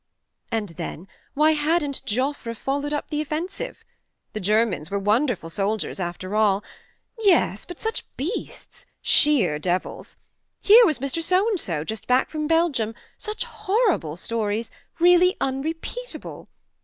... And then, why hadn't Joffre followed up the offensive ? The Germans were wonderful soldiers after all. ... Yes, but such beasts ... sheer devils. ... Here was Mr. So and so, just back from Belgium such horrible stories really unrepeatable